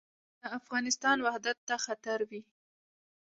چې د افغانستان وحدت ته خطر وي.